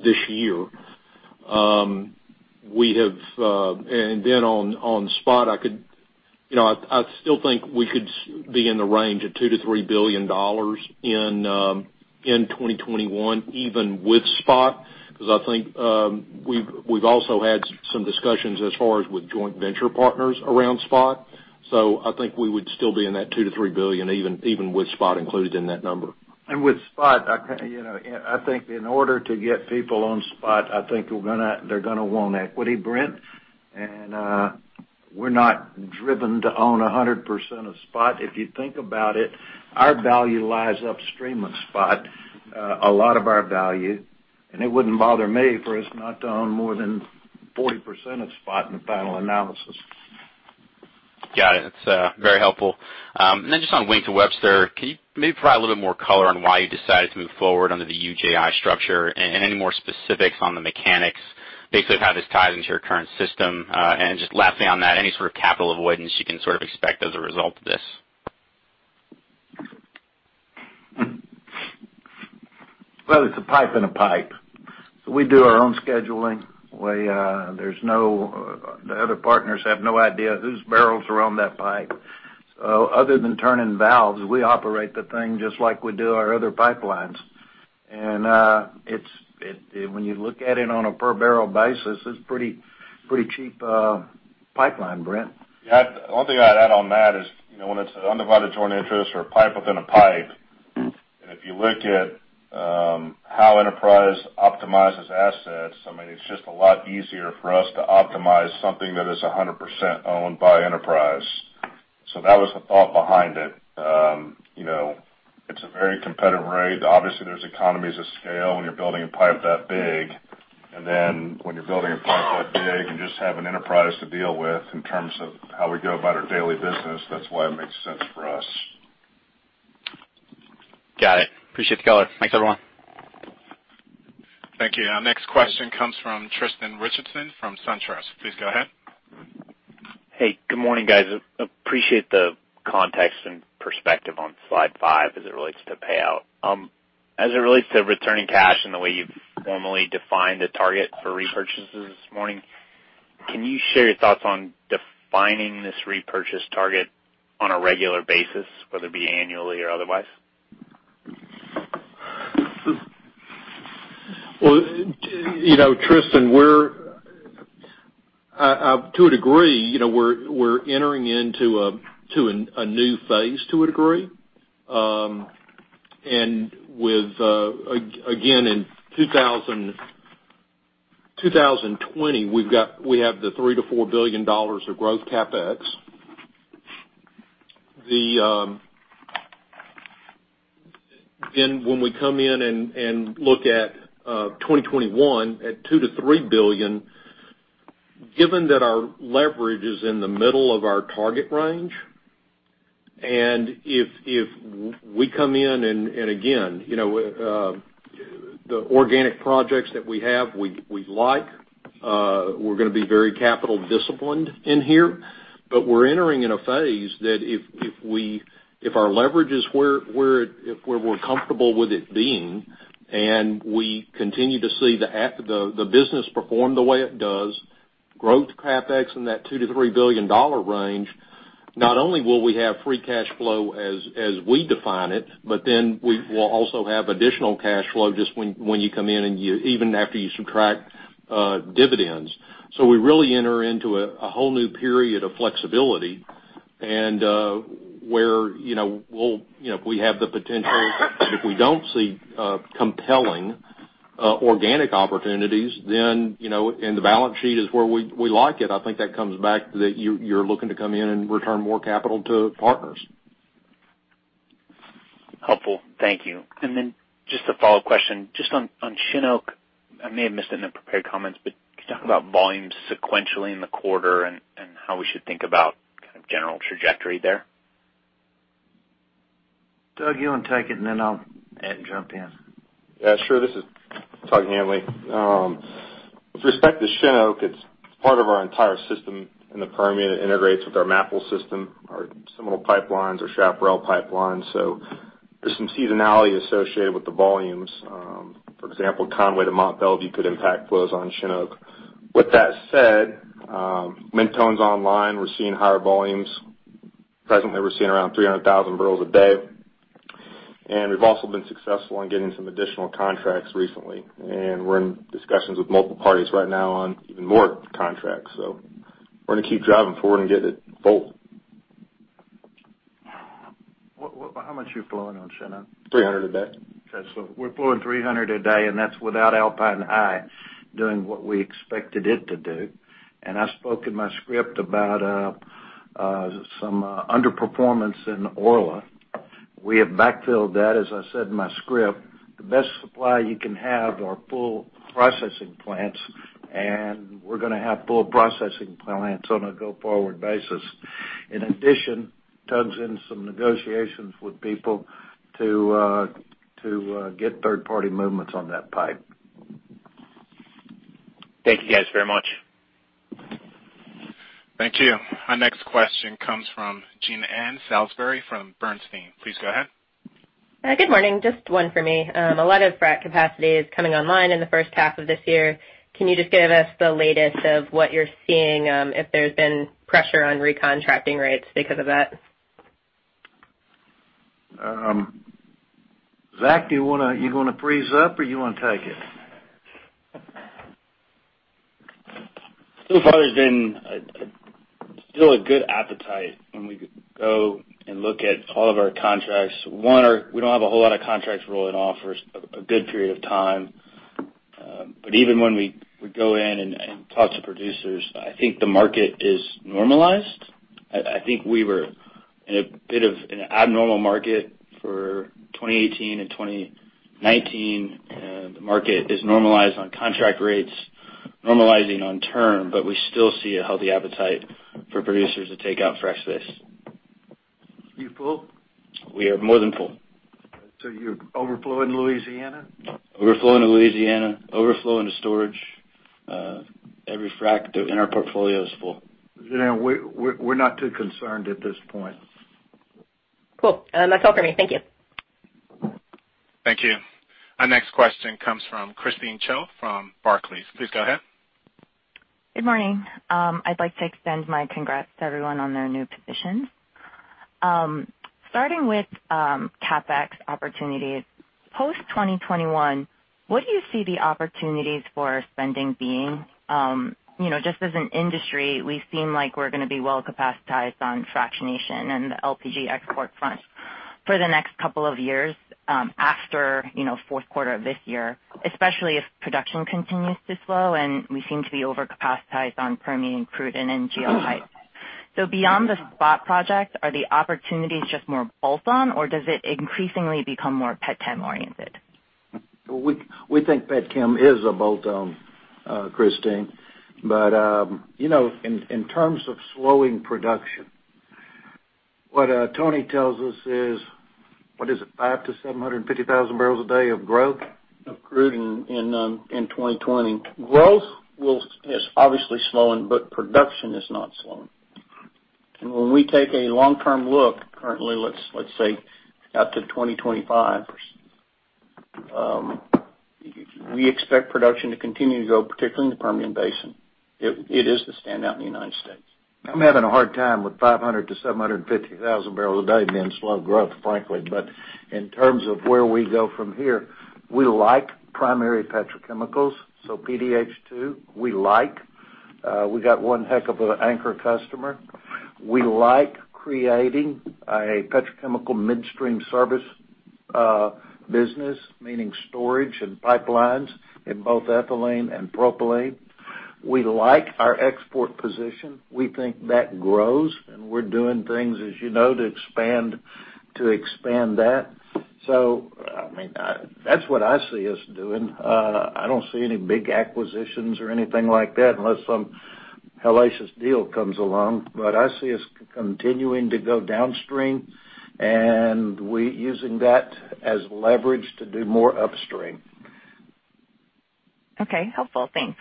this year. On SPOT, I still think we could be in the range of $2 billion-$3 billion in 2021 even with SPOT, because I think we've also had some discussions as far as with joint venture partners around SPOT. I think we would still be in that $2 billion-$3 billion, even with SPOT included in that number. With SPOT, I think in order to get people on SPOT, I think they're going to want equity, Brent. We're not driven to own 100% of SPOT. If you think about it, our value lies upstream of SPOT, a lot of our value. It wouldn't bother me for us not to own more than 40% of SPOT in the final analysis. Got it. It's very helpful. Just on Wink to Webster, can you maybe provide a little more color on why you decided to move forward under the UJI structure and any more specifics on the mechanics, basically how this ties into your current system? Just lastly on that, any sort of capital avoidance you can sort of expect as a result of this? Well, it's a pipe in a pipe. We do our own scheduling. The other partners have no idea whose barrels are on that pipe. Other than turning valves, we operate the thing just like we do our other pipelines. When you look at it on a per barrel basis, it's pretty cheap pipeline, Brent. The only thing I'd add on that is when it's an undivided joint interest or a pipe within a pipe, and if you look at how Enterprise optimizes assets, I mean, it's just a lot easier for us to optimize something that is 100% owned by Enterprise. That was the thought behind it. It's a very competitive rate. Obviously, there's economies of scale when you're building a pipe that big, and then when you're building a pipe that big and just having Enterprise to deal with in terms of how we go about our daily business, that's why it makes sense for us. Got it. Appreciate the color. Thanks, everyone. Thank you. Our next question comes from Tristan Richardson from SunTrust. Please go ahead. Hey, good morning, guys. Appreciate the context and perspective on slide five as it relates to payout. As it relates to returning cash and the way you've formally defined a target for repurchases this morning, can you share your thoughts on defining this repurchase target on a regular basis, whether it be annually or otherwise? Tristan, to a degree, we're entering into a new phase to a degree. Again, in 2020, we have the $3 billion-$4 billion of growth CapEx. When we come in and look at 2021 at $2 billion-$3 billion, given that our leverage is in the middle of our target range, and if we come in and again, The organic projects that we have, we like. We're going to be very capital disciplined in here. We're entering in a phase that if our leverage is where we're comfortable with it being, and we continue to see the business perform the way it does, growth CapEx in that $2 billion-$3 billion range, not only will we have free cash flow as we define it, but then we will also have additional cash flow just when you come in and even after you subtract dividends. We really enter into a whole new period of flexibility and where we have the potential. If we don't see compelling organic opportunities, then in the balance sheet is where we like it. I think that comes back that you're looking to come in and return more capital to partners. Helpful. Thank you. Just a follow-up question, just on Chinook. I may have missed it in the prepared comments, can you talk about volumes sequentially in the quarter and how we should think about kind of general trajectory there? Tug, you want to take it and then I'll jump in. Yeah, sure. This is Tug Hanley. With respect to Chinook, it's part of our entire system in the Permian. It integrates with our Maple system, our Seminole pipelines, our Chaparral pipelines. There's some seasonality associated with the volumes. For example, Conway to Mont Belvieu could impact flows on Chinook. With that said, Mentone's online. We're seeing higher volumes. Presently, we're seeing around 300,000 bbl a day. We've also been successful in getting some additional contracts recently. We're in discussions with multiple parties right now on even more contracts. We're going to keep driving forward and getting it full. How much are you flowing on Chinook? 300,000 bbl a day. Okay. We're flowing 300,000 bbl a day, and that's without Alpine High doing what we expected it to do. I spoke in my script about some underperformance in Orla. We have backfilled that, as I said in my script. The best supply you can have are full processing plants, and we're going to have full processing plants on a go-forward basis. In addition, Tug's in some negotiations with people to get third-party movements on that pipe. Thank you guys very much. Thank you. Our next question comes from Jean Ann Salisbury from Bernstein. Please go ahead. Good morning. Just one for me. A lot of frac capacity is coming online in the first half of this year. Can you just give us the latest of what you're seeing, if there's been pressure on recontracting rates because of that? Zach, do you want to freeze up or you want to take it? So far, there's been still a good appetite when we go and look at all of our contracts. One, we don't have a whole lot of contracts rolling off for a good period of time. Even when we go in and talk to producers, I think the market is normalized. I think we were in a bit of an abnormal market for 2018 and 2019. The market is normalized on contract rates, normalizing on term, but we still see a healthy appetite for producers to take out fresh space. You full? We are more than full. You're overflowing Louisiana? Overflowing to Louisiana, overflowing to storage. Every frac in our portfolio is full. Jean Ann, we're not too concerned at this point. Cool. That's all for me. Thank you. Thank you. Our next question comes from Christine Cho from Barclays. Please go ahead. Good morning. I'd like to extend my congrats to everyone on their new positions. Starting with CapEx opportunities, post 2021, what do you see the opportunities for spending being? Just as an industry, we seem like we're going to be well-capacitized on fractionation and the LPG export front for the next couple of years after fourth quarter of this year, especially if production continues to slow and we seem to be over-capacitized on Permian Crude and NGL pipes. Beyond the SPOT projects, are the opportunities just more bolt-on or does it increasingly become more petchem oriented? We think petchem is a bolt-on, Christine. In terms of slowing production, what Tony tells us is, what is it? five to 750,000 bbl a day of growth? Of Crude in 2020. Growth is obviously slowing, but production is not slowing. When we take a long-term look, currently, let's say out to 2025, we expect production to continue to grow, particularly in the Permian Basin. It is the standout in the United States. I'm having a hard time with 500,000 bbl-750,000 bbl a day being slow growth, frankly. In terms of where we go from here, we like primary Petrochemicals, PDH2, we like. We got one heck of an anchor customer. We like creating a Petrochemical Midstream Service business, meaning storage and pipelines in both ethylene and propylene. We like our export position. We think that grows, and we're doing things, as you know, to expand that. That's what I see us doing. I don't see any big acquisitions or anything like that unless some Hellacious deal comes along, but I see us continuing to go downstream, and we're using that as leverage to do more upstream. Okay. Helpful. Thanks.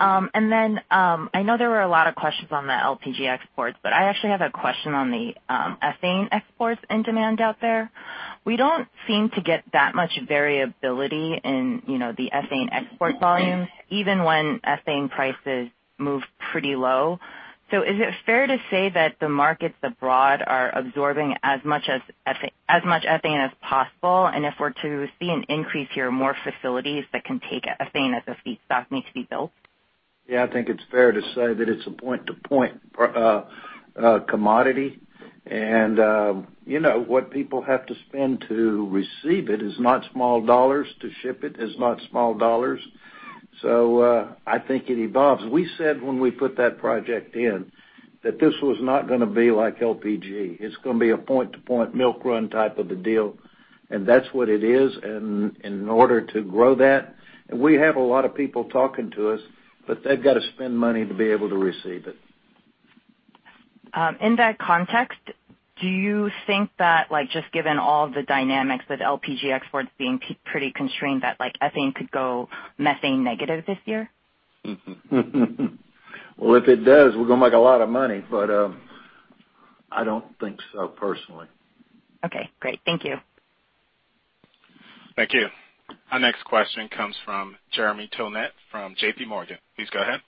I know there were a lot of questions on the LPG exports, but I actually have a question on the ethane exports and demand out there. We don't seem to get that much variability in the ethane export volumes, even when ethane prices move pretty low. Is it fair to say that the markets abroad are absorbing as much ethane as possible, and if we're to see an increase here, more facilities that can take ethane as a feedstock need to be built? Yeah, I think it's fair to say that it's a point-to-point commodity. What people have to spend to receive it is not small dollars. To ship it is not small dollars. I think it evolves. We said when we put that project in, that this was not going to be like LPG. It's going to be a point-to-point milk run type of a deal, and that's what it is. In order to grow that, we have a lot of people talking to us, but they've got to spend money to be able to receive it. In that context, do you think that just given all the dynamics with LPG exports being pretty constrained, that ethane could go methane negative this year? Well, if it does, we're going to make a lot of money, but I don't think so, personally. Okay, great. Thank you. Thank you. Our next question comes from Jeremy Tonet from JPMorgan. Please go ahead.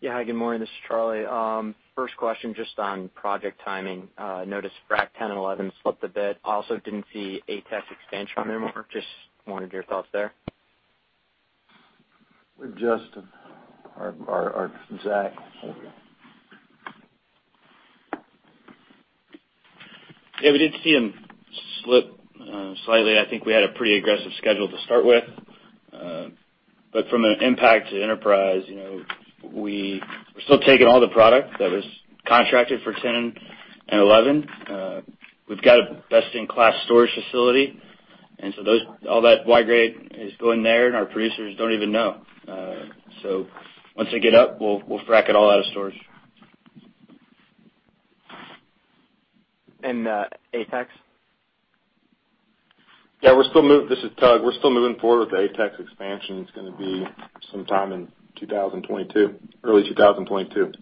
Yeah. Hi, good morning. This is Charlie. First question, just on project timing. Noticed Frac 10 and 11 slipped a bit, also didn't see ATEX expansion anymore. Just wanted your thoughts there. Justin or Zach. Yeah, we did see them slip slightly. I think we had a pretty aggressive schedule to start with. From an impact to Enterprise, we're still taking all the product that was contracted for 10 and 11. We've got a best-in-class storage facility, all that Y-grade is going there, and our producers don't even know. Once they get up, we'll frac it all out of storage. ATEX? Yeah. This is Tug. We're still moving forward with the ATEX expansion. It's going to be sometime in early 2022.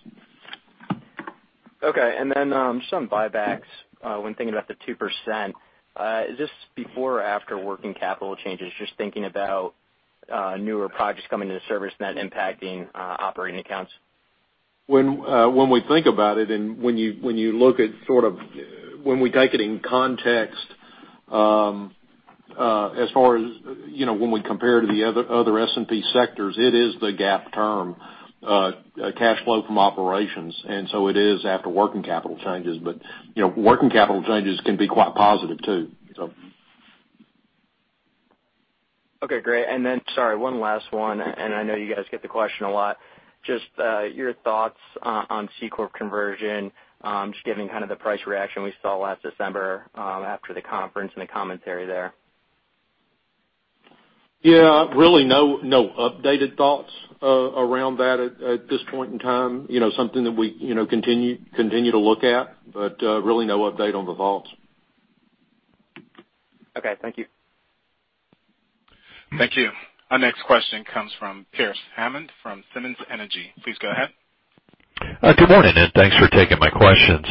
Okay. Just on buybacks, when thinking about the 2%, is this before or after working capital changes? Just thinking about newer projects coming into service net impacting operating accounts. When we think about it and when we take it in context as far as when we compare to the other S&P sectors, it is the GAAP term cash flow from operations. It is after working capital changes. Working capital changes can be quite positive too. Okay, great. Sorry, one last one, and I know you guys get the question a lot, just your thoughts on C corp conversion, just given kind of the price reaction we saw last December after the conference and the commentary there. Yeah. Really no updated thoughts around that at this point in time. Something that we continue to look at, but really no update on the vaults. Okay. Thank you. Thank you. Our next question comes from Pearce Hammond from Simmons Energy. Please go ahead. Good morning. Thanks for taking my questions.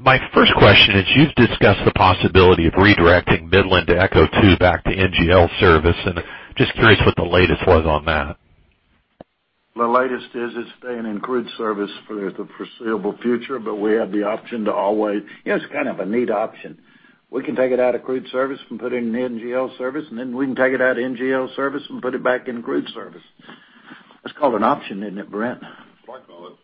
My first question is, you've discussed the possibility of redirecting Midland-to-ECHO 2 back to NGL service, and just curious what the latest was on that? The latest is it's staying in Crude Service for the foreseeable future, but we have the option. It's kind of a neat option. We can take it out of Crude Service and put it in an NGL service, and then we can take it out of NGL service and put it back in Crude Service. That's called an option, isn't it, Brent? Might call it.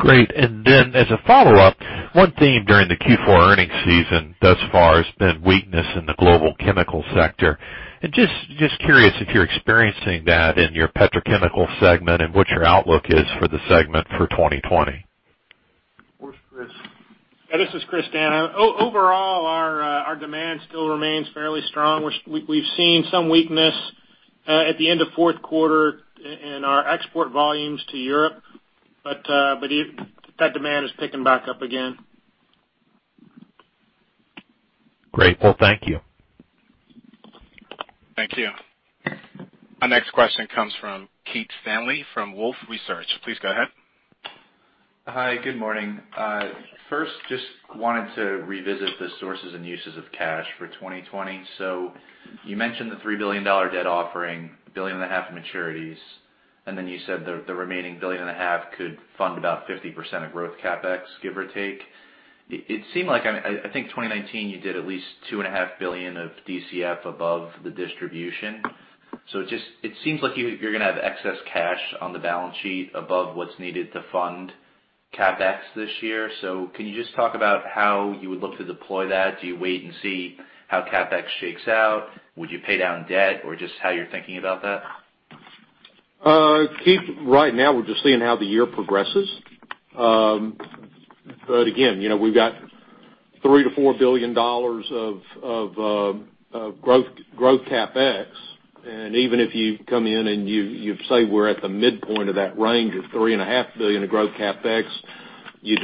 Great. As a follow-up, one theme during the Q4 earnings season thus far has been weakness in the Global Chemical sector. Just curious if you're experiencing that in your Petrochemical segment and what your outlook is for the segment for 2020. Where's Chris? This is Chris D'Anna. Overall, our demand still remains fairly strong. We've seen some weakness at the end of fourth quarter in our export volumes to Europe. That demand is picking back up again. Great. Well. Thank you. Thank you. Our next question comes from Keith Stanley from Wolfe Research. Please go ahead. Good morning. Just wanted to revisit the sources and uses of cash for 2020. You mentioned the $3 billion debt offering, $1.5 billion of maturities, and you said the remaining $1.5 billion could fund about 50% of growth CapEx, give or take. I think 2019 you did at least $2.5 billion of DCF above the distribution. Just, it seems like you're going to have excess cash on the balance sheet above what's needed to fund CapEx this year. Can you just talk about how you would look to deploy that? Do you wait and see how CapEx shakes out? Would you pay down debt or just how you're thinking about that? Keith, right now we're just seeing how the year progresses. Again, we've got $3 billion-$4 billion of growth CapEx. Even if you come in and you say we're at the midpoint of that range of $3.5 billion of growth CapEx, you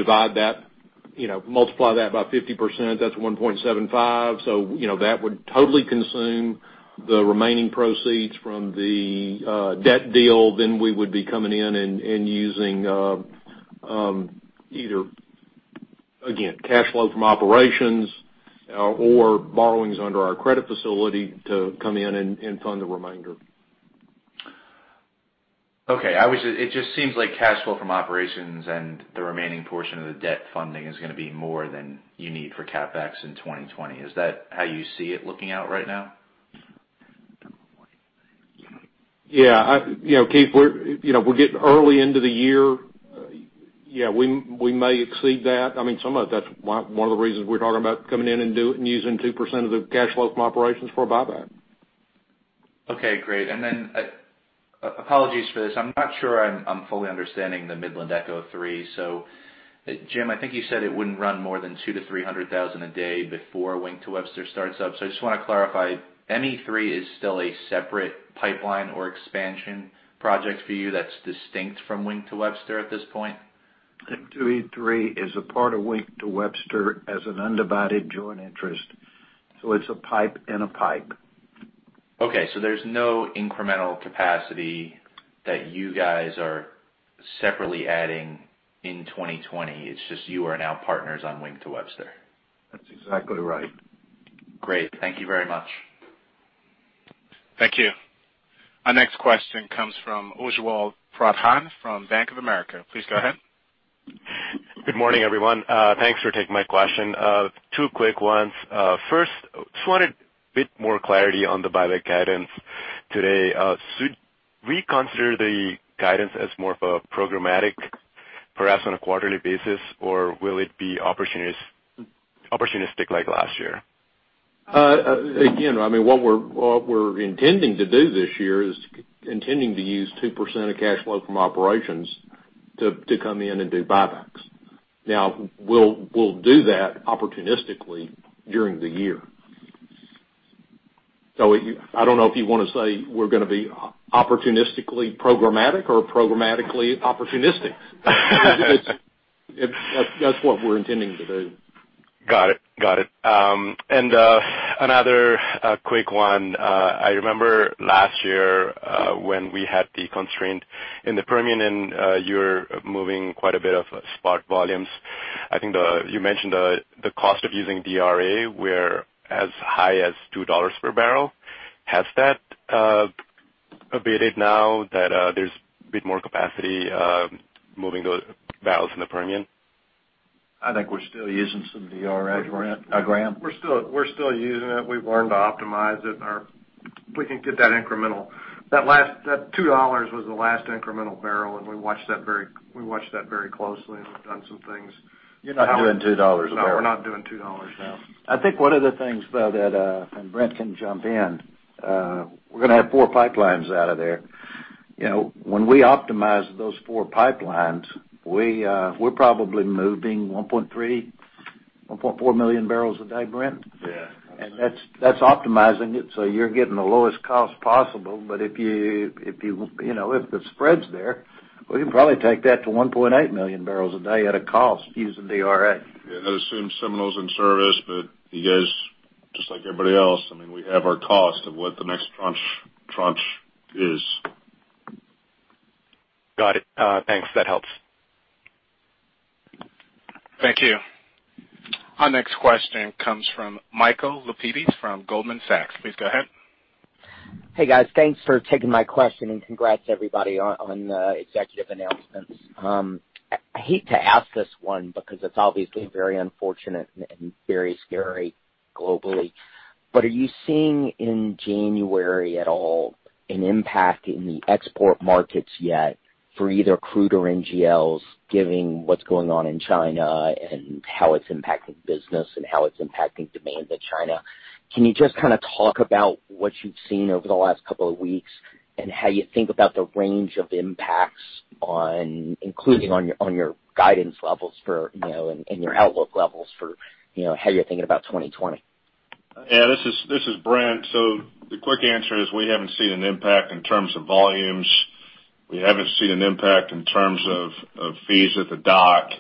multiply that by 50%, that's $1.75 million. That would totally consume the remaining proceeds from the debt deal. We would be coming in and using either, again, cash flow from operations or borrowings under our credit facility to come in and fund the remainder. Okay. It just seems like cash flow from operations and the remaining portion of the debt funding is going to be more than you need for CapEx in 2020. Is that how you see it looking out right now? Keith, we're getting early into the year. We may exceed that. Some of that's one of the reasons we're talking about coming in and using 2% of the cash flow from operations for a buyback. Okay, great. Apologies for this, I'm not sure I'm fully understanding the Midland-to-ECHO 3. Jim, I think you said it wouldn't run more than 200,000-300,000 a day before Wink to Webster starts up. I just want to clarify, ME3 is still a separate pipeline or expansion project for you that's distinct from Wink to Webster at this point? ME3 is a part of Wink to Webster as an undivided joint interest. It's a pipe in a pipe. Okay, there's no incremental capacity that you guys are separately adding in 2020. It's just you are now partners on Wink to Webster. That's exactly right. Great. Thank you very much. Thank you. Our next question comes from Ujjwal Pradhan from Bank of America. Please go ahead. Good morning, everyone. Thanks for taking my question. Two quick ones. First, just wanted a bit more clarity on the buyback guidance today. Should we consider the guidance as more of a programmatic perhaps on a quarterly basis, or will it be opportunistic like last year? What we're intending to do this year is intending to use 2% of cash flow from operations to come in and do buybacks. We'll do that opportunistically during the year. I don't know if you want to say we're going to be opportunistically programmatic or programmatically opportunistic. That's what we're intending to do. Got it. Another quick one. I remember last year when we had the constraint in the Permian, and you were moving quite a bit of spot volumes. I think you mentioned the cost of using DRA were as high as $2 per barrel. Has that abated now that there's a bit more capacity moving those barrels in the Permian? I think we're still using some DRA, Brent. Graham? We're still using it. We've learned to optimize it. We can get that incremental. That $2 was the last incremental barrel, and we watched that very closely, and we've done some things. You're not doing $2 a barrel. No, we're not doing $2 now. I think one of the things, though, Brent can jump in, we're going to have four pipelines out of there. When we optimize those four pipelines, we're probably moving 1.3 million, 1.4 million barrels a day, Brent? Yeah. That's optimizing it, so you're getting the lowest cost possible. If the spread's there, we can probably take that to 1.8 million barrels a day at a cost using DRA. Yeah, that assumes Seminole's in service. You guys, just like everybody else, we have our cost of what the next tranche is. Got it. Thanks. That helps. Thank you. Our next question comes from Michael Lapides from Goldman Sachs. Please go ahead. Hey, guys. Congrats everybody on the executive announcements. I hate to ask this one because it's obviously very unfortunate and very scary globally. Are you seeing in January at all an impact in the export markets yet for either Crude or NGLs, given what's going on in China and how it's impacting business and how it's impacting demand in China? Can you just kind of talk about what you've seen over the last couple of weeks, and how you think about the range of impacts including on your guidance levels and your outlook levels for how you're thinking about 2020? Yeah, this is Brent. The quick answer is we haven't seen an impact in terms of volumes. We haven't seen an impact in terms of fees at the dock.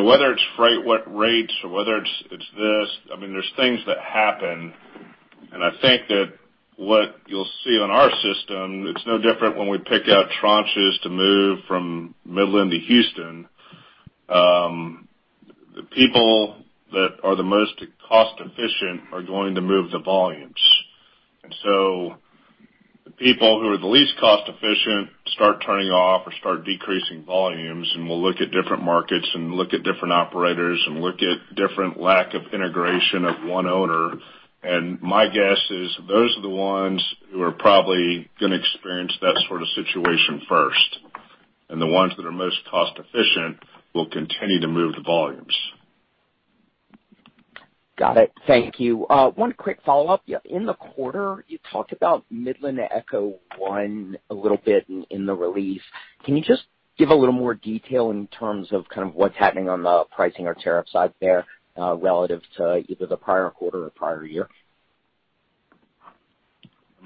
Whether it's freight, what rates or whether it's this, there's things that happen. I think that what you'll see on our system, it's no different when we pick out tranches to move from Midland to Houston. The people that are the most cost-efficient are going to move the volumes. The people who are the least cost-efficient start turning off or start decreasing volumes, and will look at different markets and look at different operators and look at different lack of integration of one owner. My guess is those are the ones who are probably going to experience that sort of situation first. The ones that are most cost-efficient will continue to move the volumes. Got it. Thank you. One quick follow-up. In the quarter, you talked about Midland-to-ECHO 1 a little bit in the release. Can you just give a little more detail in terms of what's happening on the pricing or tariff side there relative to either the prior quarter or prior year?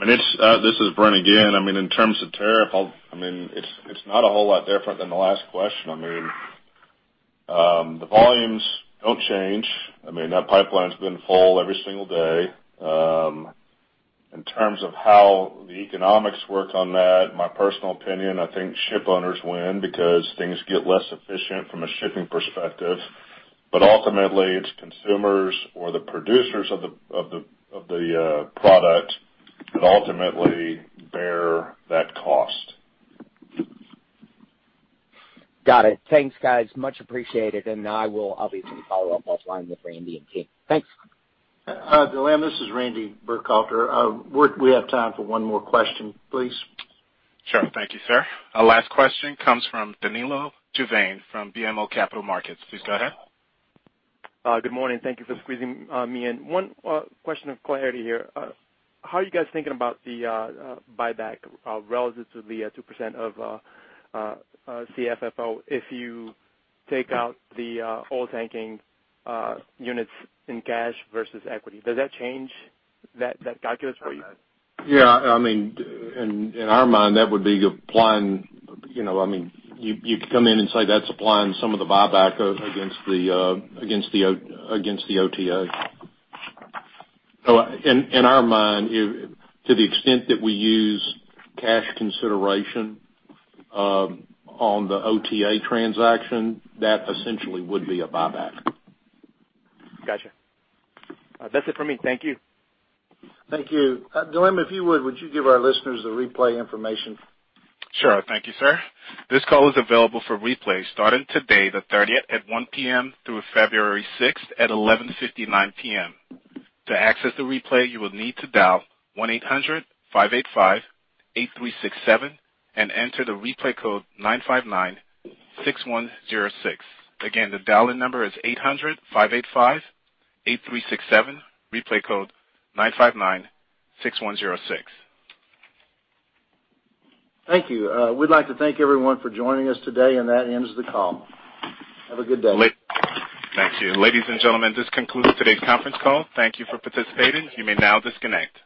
This is Brent again. In terms of tariff, it's not a whole lot different than the last question. The volumes don't change. That pipeline's been full every single day. In terms of how the economics work on that, my personal opinion, I think ship owners win because things get less efficient from a shipping perspective, but ultimately it's consumers or the producers of the product that ultimately bear that cost. Got it. Thanks, guys. Much appreciated. I will obviously follow up offline with Randy and team. Thanks. Dylan, this is Randy Burkhalter. We have time for one more question, please. Sure. Thank you, sir. Our last question comes from Danilo Juvane from BMO Capital Markets. Please go ahead. Good morning. Thank you for squeezing me in. One question of clarity here. How are you guys thinking about the buyback relative to the 2% of CFFO if you take out the Oiltanking units in cash versus equity? Does that change that calculus for you? Yeah. In our mind, you could come in and say that's applying some of the buyback against the OTA. In our mind, to the extent that we use cash consideration on the OTA transaction, that essentially would be a buyback. Got you. That's it for me. Thank you. Thank you. Dylan, if you would you give our listeners the replay information? Sure. Thank you, sir. This call is available for replay starting today, the 30th at 1:00 P.M. through February 6th at 11:59 P.M. To access the replay, you will need to dial 1-800-585-8367 and enter the replay code 9596106. Again, the dial-in number is 800-585-8367, replay code 9596106. Thank you. We'd like to thank everyone for joining us today, and that ends the call. Have a good day. Thank you. Ladies and gentlemen, this concludes today's conference call. Thank you for participating. You may now disconnect.